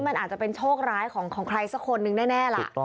มันอาจจะเป็นโชคร้ายของใครสักคนนึงแน่ล่ะ